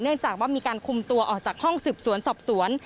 จากว่ามีการคุมตัวออกจากห้องสืบสวนสอบสวน